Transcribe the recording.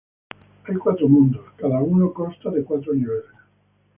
Hay cuatro mundos, cada uno consta de cuatro niveles.